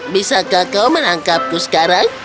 bisakah kau menangkapku sekarang